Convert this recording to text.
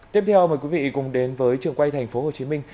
tiếp theo mời quý vị cùng đến với trường quay thành phố hồ chí minh